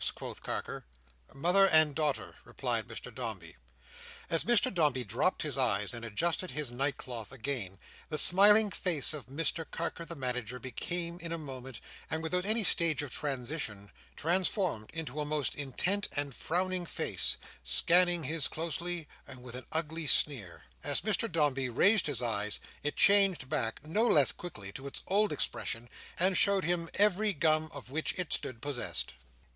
quoth Carker. "Mother and daughter," replied Mr Dombey. As Mr Dombey dropped his eyes, and adjusted his neckcloth again, the smiling face of Mr Carker the Manager became in a moment, and without any stage of transition, transformed into a most intent and frowning face, scanning his closely, and with an ugly sneer. As Mr Dombey raised his eyes, it changed back, no less quickly, to its old expression, and showed him every gum of which it stood possessed.